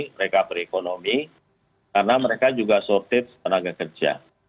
mereka perekonomi karena mereka juga shortage tenaga kerja